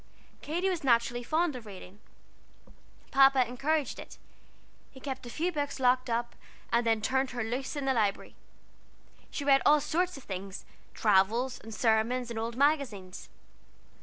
Katy was naturally fond of reading. Papa encouraged it. He kept a few books locked up, and then turned her loose in the Library. She read all sorts of things: travels, and sermons, and old magazines.